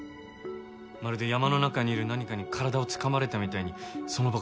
まるで山の中にいる何かに体をつかまれたみたいにその場から動けなくなって。